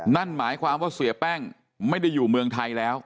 นั่นหมายความว่าเสียแป้งไม่ได้อยู่เมืองไทยแล้ว